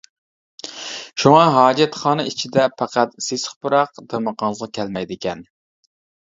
شۇڭا ھاجەتخانا ئىچىدە پەقەت سېسىق پۇراق دىمىقىڭىزغا كەلمەيدىكەن.